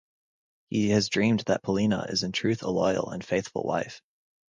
He has dreamed that Paolina is in truth a loyal and faithful wife.